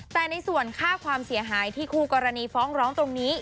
แต่ในส่วนค่าความเสียหายที่คู่กรณีฟ้องร้องตรงนี้